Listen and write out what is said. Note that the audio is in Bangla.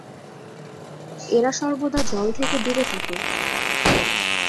এরা সর্বদা জল থেকে দূরে থাকে।